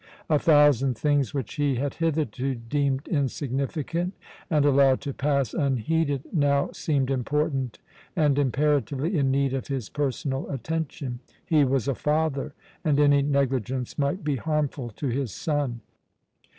A thousand things which he had hitherto deemed insignificant and allowed to pass unheeded now seemed important and imperatively in need of his personal attention. He was a father, and any negligence might be harmful to his son.